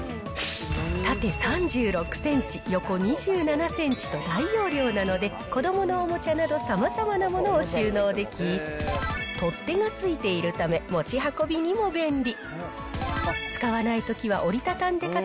縦３６センチ、横２７センチと大容量なので、子どものおもちゃなどさまざまなものを収納でき、取っ手が付いているため、持ち運びにも便利。